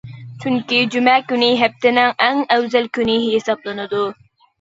چۈنكى جۈمە كۈنى ھەپتىنىڭ ئەڭ ئەۋزەل كۈنى ھېسابلىنىدۇ.